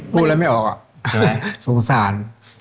พูดแล้วไม่ออกสงสาร